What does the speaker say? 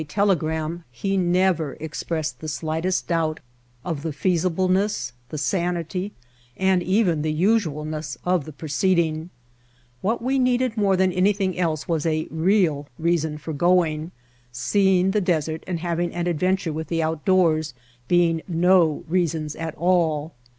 telegram he never expressed the slightest doubt of the feasibleness, the sanity, and even the usualness of the proceeding. What The Outfit we needed more than anything else was a real reason for going, seeing the desert and having an adventure with the outdoors being no reasons at all.